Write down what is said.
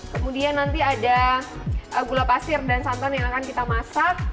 kemudian nanti ada gula pasir dan santan yang akan kita masak